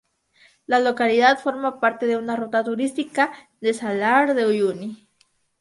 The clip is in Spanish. La localidad forma parte de una ruta turística del Salar de Uyuni.